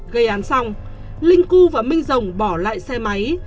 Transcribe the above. gây án xong linh cu và minh rồng bỏ lại xe máy